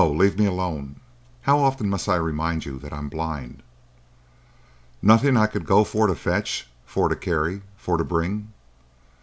Leave me alone. How often must I remind you that I'm blind?" "Nothing I could go for to fetch for to carry for to bring?"